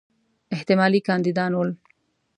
احتمالي کاندیدان ول.